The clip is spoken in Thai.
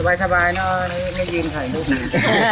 มาสบายไม่ยินถ่ายลูกนี้